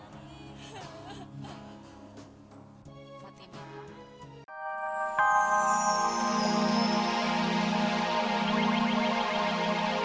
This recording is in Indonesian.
mati mau kangen